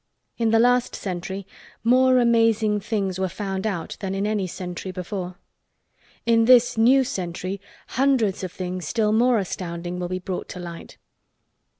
In the last century more amazing things were found out than in any century before. In this new century hundreds of things still more astounding will be brought to light.